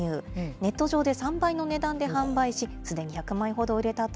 ネット上で３倍の値段で販売し、すでに１００枚ほど売れたと。